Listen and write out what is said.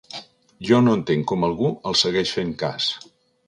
Jo no entenc com algú els segueix fent cas.